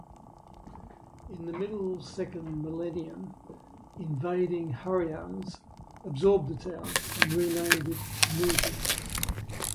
In the middle second millennium invading Hurrians absorbed the town and renamed it Nuzi.